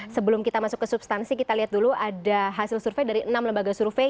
sebelum kita masuk ke substansi kita lihat dulu ada hasil survei dari enam lembaga survei